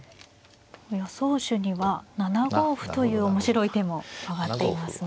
予想手には７五歩という面白い手も挙がっていますね。